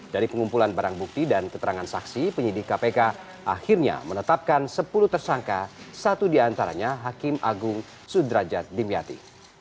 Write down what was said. dari pengumpulan barang bukti dan keterangan saksi penyidik kpk akhirnya menetapkan sepuluh tersangka satu diantaranya hakim agung sudrajat dimyati